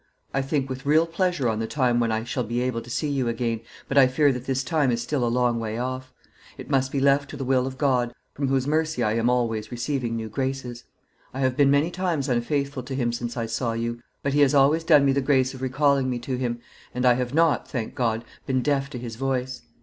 I think with real pleasure on the time when I shall be able to see you again, but I fear that this time is still a long way off. It must be left to the will of God, from whose mercy I am always receiving new graces. I have been many times unfaithful to Him since I saw you, but He has always done me the grace of recalling me to Him, and I have not, thank God, been deaf to His voice.